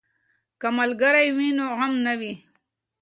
که ملګری وي نو غم نه وي.